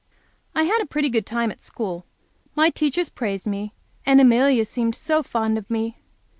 I had a pretty good time at school. My teachers praised me, and Amelia seemed so fond of me!